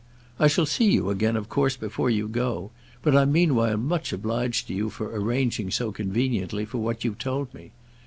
"I shall see you again of course before you go; but I'm meanwhile much obliged to you for arranging so conveniently for what you've told me.